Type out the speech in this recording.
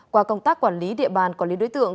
qua công tác quản lý địa bàn quản lý đối tượng